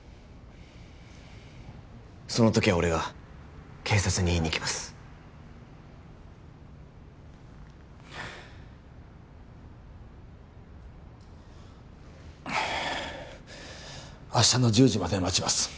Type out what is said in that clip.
その時は俺が警察に言いに行きますはあ明日の１０時まで待ちます